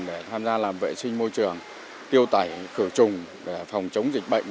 để tham gia làm vệ sinh môi trường tiêu tẩy khử trùng để phòng chống dịch bệnh